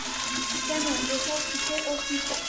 কেন, এসব শিখে ও কী করবে?